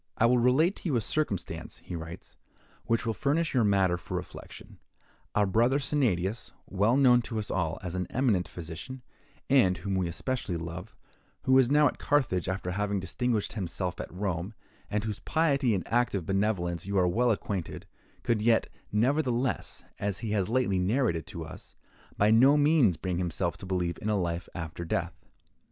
"I will relate to you a circumstance," he writes, "which will furnish you matter for reflection. Our brother Sennadius, well known to us all as an eminent physician, and whom we especially love, who is now at Carthage, after having distinguished himself at Rome, and with whose piety and active benevolence you are well acquainted, could yet, nevertheless, as he has lately narrated to us, by no means bring himself to believe in a life after death.